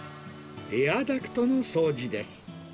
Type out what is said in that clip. エアダクトの掃除です。